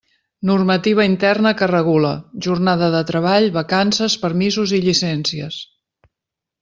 Normativa interna que regula: jornada de treball, vacances, permisos i llicències.